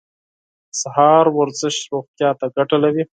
د سهار ورزش روغتیا ته ګټه لري.